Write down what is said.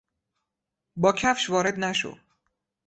با کفش وارد نشو!